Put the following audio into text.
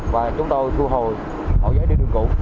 và chúng tôi thu hùi mẫu giấy đi đường cũ